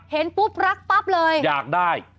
เห็นปุ๊บรักปั๊บเลยอยากได้